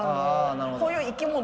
こういう生き物。